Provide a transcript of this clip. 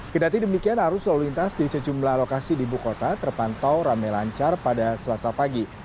kedati demikian arus lalu lintas di sejumlah lokasi di ibu kota terpantau rame lancar pada selasa pagi